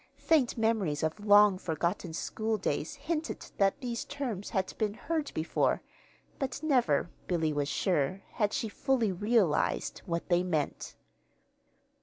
Faint memories of long forgotten school days hinted that these terms had been heard before; but never, Billy was sure, had she fully realized what they meant.